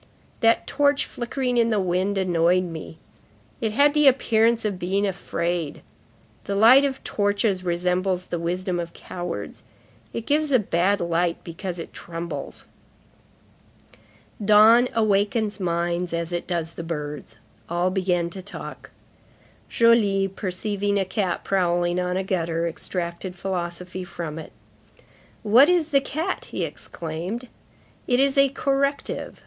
"That torch flickering in the wind annoyed me. It had the appearance of being afraid. The light of torches resembles the wisdom of cowards; it gives a bad light because it trembles." Dawn awakens minds as it does the birds; all began to talk. Joly, perceiving a cat prowling on a gutter, extracted philosophy from it. "What is the cat?" he exclaimed. "It is a corrective.